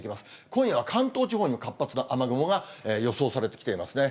今夜は関東地方にも活発な雨雲が予想されてきていますね。